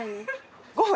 ５分！